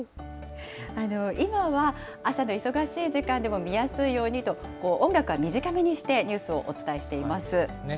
今は、朝の忙しい時間でも見やすいようにと、音楽は短めにして、ニュースをお伝えしています。